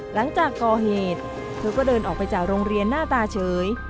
หลังจากก่อเหตุเธอก็เดินออกไปจากโรงเรียนหน้าตาเฉย